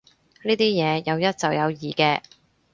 呢啲嘢有一就有二嘅